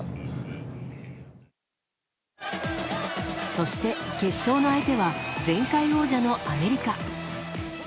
そして、決勝の相手は前回王者のアメリカ。